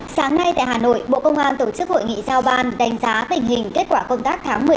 sáng nay tại hà nội bộ công an tổ chức hội nghị giao ban đánh giá tình hình kết quả công tác tháng một mươi một